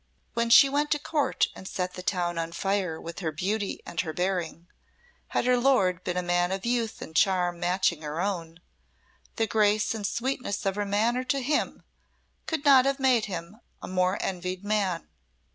When she went to Court and set the town on fire with her beauty and her bearing, had her lord been a man of youth and charm matching her own, the grace and sweetness of her manner to him could not have made him a more envied man.